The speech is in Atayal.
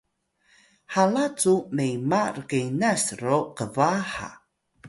hala cu mema rqenas ro qba ha